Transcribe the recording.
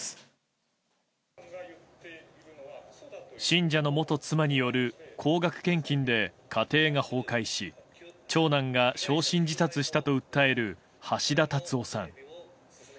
信者の元妻による高額献金で家庭が崩壊し長男が焼身自殺したと訴える橋田達夫さん。